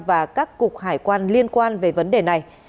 và các cục hải quan liên quan về vấn đề này